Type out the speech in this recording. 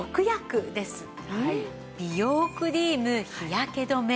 美容クリーム日焼け止め